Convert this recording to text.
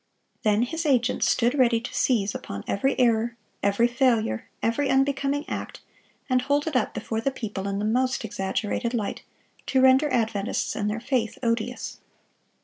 Then his agents stood ready to seize upon every error, every failure, every unbecoming act, and hold it up before the people in the most exaggerated light, to render Adventists and their faith odious.